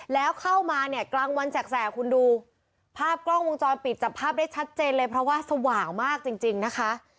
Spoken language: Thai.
แล้วเข้ามาเนี่ยกลางวันแสกคุณดูภาพกล้องวงจรปิดจับภาพได้ชัดเจนเลยเพราะว่าสว่างมากจริงนะคะ